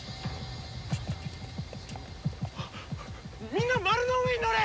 みんな丸の上に乗れ！